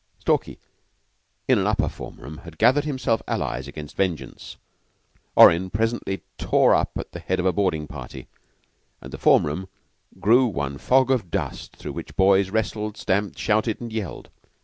Stalky, in an upper form room, had gathered himself allies against vengeance. Orrin presently tore up at the head of a boarding party, and the form room grew one fog of dust through which boys wrestled, stamped, shouted, and yelled.